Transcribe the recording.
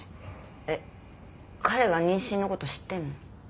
えっ彼は妊娠の事知ってるの？